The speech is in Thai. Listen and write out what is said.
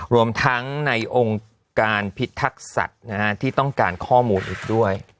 รวมทั้งในองค์การพิทักษัตริย์ที่ต้องการข้อมูลอีกด้วย